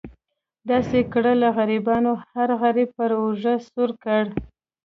داسې کړه له غریبانو هر غریب پر اوږه سور کړي.